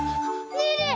ねえねえ